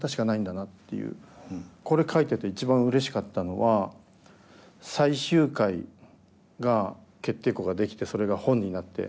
これ書いてて一番うれしかったのは最終回が決定稿が出来てそれが本になって。